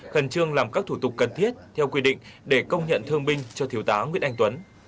khẩn trương làm các thủ tục cần thiết theo quy định để công nhận thương binh cho thiếu tá nguyễn anh tuấn